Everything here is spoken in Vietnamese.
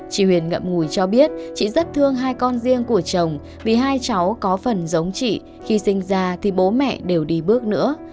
chị huyền ngậm ngùi cho biết chị rất thương hai con riêng của chồng vì hai cháu có phần giống chị khi sinh ra thì bố mẹ đều đi bước nữa